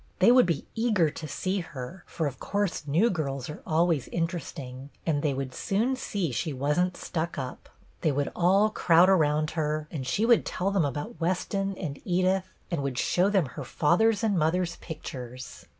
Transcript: They would be eager to see her, for of course new girls are always in teresting, and they would soon see she was n't stuck up. They would all crowd around THE SECRET 19 her, and she would tell them about Weston and Edith, and would show them her father's and mother's pictures.